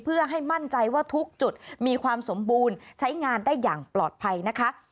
เพื่อให้มั่นใจว่าทุกจุดมีความสมบูรณ์ใช้งานได้อย่างปลอดภัยนะคะ